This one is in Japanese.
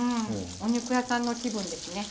お肉屋さんの気分ですね。